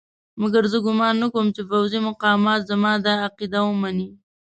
مګر زه ګومان نه کوم چې پوځي مقامات زما دا عقیده ومني.